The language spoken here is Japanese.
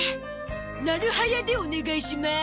なる早でお願いします。